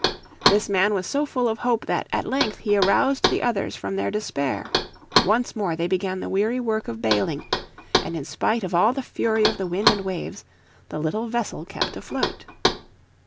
This man was so full of hope that at length he aroused the others from their despair. Once more they began the weary work of bailing, and in spite of all the fury of the wind and waves the little vessel kept afloat.